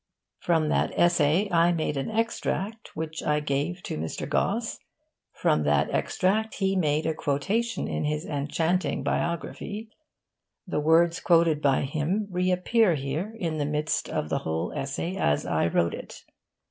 From that essay I made an extract, which I gave to Mr. Gosse. From that extract he made a quotation in his enchanting biography. The words quoted by him reappear here in the midst of the whole essay as I wrote it.